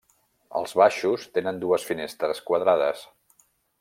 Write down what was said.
Els baixos tenen dues finestres quadrades.